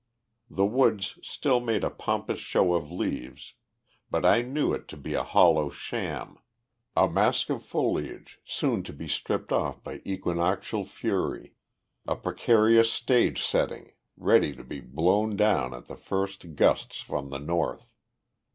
The woods still made a pompous show of leaves, but I knew it to be a hollow sham, a mask of foliage soon to be stripped off by equinoctial fury, a precarious stage setting, ready to be blown down at the first gusts from the north.